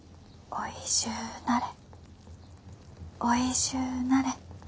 おいしゅうなれ。